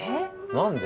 何で？